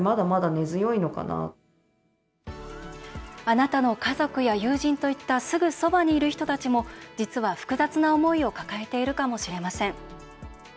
あなたの家族や友人といったすぐそばにいる人たちも実は複雑な思いを抱えているかもしれません。